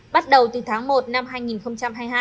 bắt đầu từ tháng một năm hai nghìn hai mươi hai